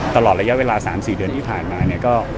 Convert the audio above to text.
ตลอดระยะเวลา๓๔เดือนที่ผ่านมาเนี่ยก็